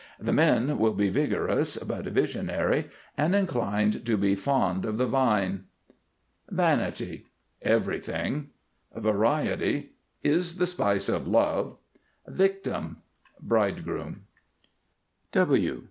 The men will be Vigorous but Visionary, and inclined to be fond of the Vine. VANITY. Everything. VARIETY. Is the spice of Love. VICTIM. Bridegroom.